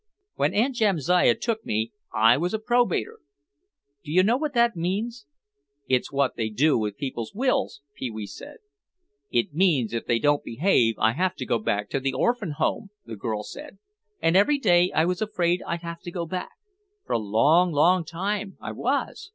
"When Aunt Jamsiah took me, I was a probator. Do you know what that means?" "It's what they do with people's wills," Pee wee said. "It means if I don't behave I have to go back to the orphan home," the girl said. "And every day I was afraid I'd have to go back—for a long, long time, I was.